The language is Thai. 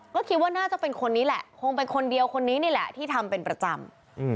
ก็คิดว่าน่าจะเป็นคนนี้แหละคงเป็นคนเดียวคนนี้นี่แหละที่ทำเป็นประจำ